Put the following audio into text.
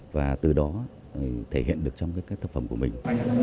và từ đó thể hiện được trong các cái sản phẩm của mình